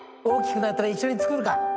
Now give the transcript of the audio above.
大きくなったら一緒に作るか。